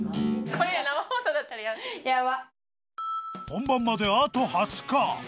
これ、本番まであと２０日。